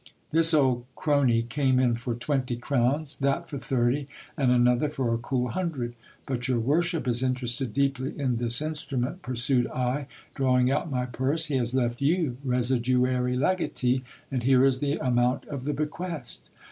This old crony came in for twenty crowns, that for thirty, and another for a cool hundred ; but your worship is interested deeply in this instru ment, pursued I, drawing out my purse ; he has left you residuary legatee, and here is the amount of the bequest.